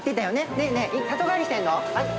ねえねえ里帰りしてるの？